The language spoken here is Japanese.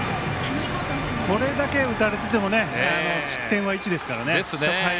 これだけ打たれてても失点は１ですからね。